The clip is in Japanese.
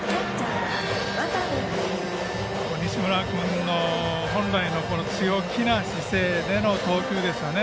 西村君の本来の強気な姿勢での投球ですよね。